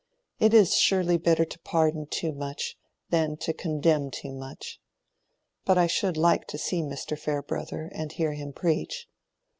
It is surely better to pardon too much, than to condemn too much. But I should like to see Mr. Farebrother and hear him preach."